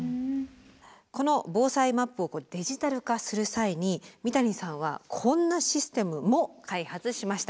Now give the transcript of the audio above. この防災マップをデジタル化する際に三谷さんはこんなシステムも開発しました。